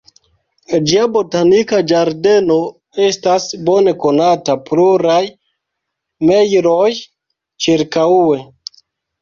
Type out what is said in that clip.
Ĝia botanika ĝardeno estas bone konata pluraj mejloj ĉirkaŭe.